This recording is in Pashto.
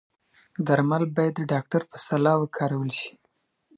درمل باید د ډاکتر په سلا وکارول شي.